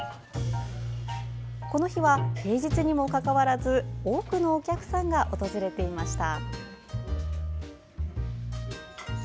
この日は平日にもかかわらず多くのお客さんが訪れていました。